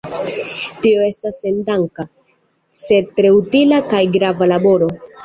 Tio estas sendanka, sed tre utila kaj grava laboro.